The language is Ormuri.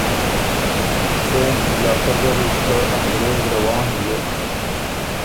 څېن علاقۀ زر اِر که انګرېز روان بیوک